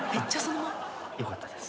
よかったです。